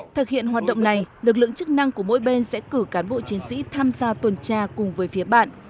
thực hiện hoạt động này lực lượng chức năng của mỗi bên sẽ cử cán bộ chiến sĩ tham gia tuần tra cùng với phía bạn